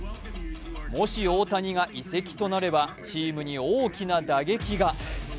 もし大谷が移籍となれば、チームに大きな打撃が。